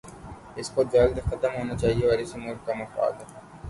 اس کو جلد ختم ہونا چاہیے اور اسی میں ملک کا مفاد ہے۔